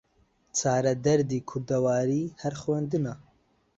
چارە دەردی کوردەواری هەر خوێندنە